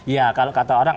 ya kalau kata orang